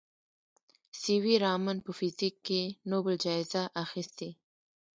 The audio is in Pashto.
سي وي رامن په فزیک کې نوبل جایزه اخیستې.